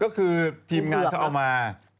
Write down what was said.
ก็คือทีมงานเขาเอามา